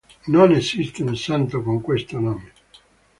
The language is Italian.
Non esiste un santo con questo nome.